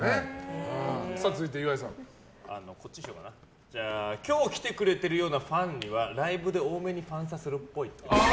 続いて、岩井さん。今日来てくれてるようなファンにはライブで多めにファンサするっぽい。